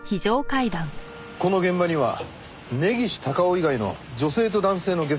この現場には根岸隆雄以外の女性と男性のゲソ痕があったみたいです。